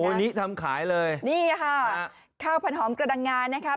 วันนี้ทำขายเลยนี่ค่ะข้าวผันหอมกระดังงานะครับ